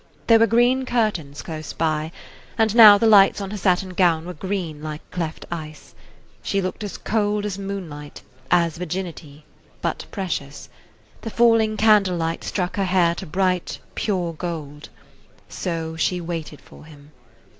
There were green curtains close by, and now the lights on her satin gown were green like cleft ice. She looked as cold as moonlight, as virginity, but precious; the falling candle light struck her hair to bright, pure gold. So she waited for him.